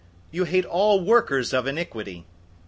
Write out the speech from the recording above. You hate all workers of iniquity.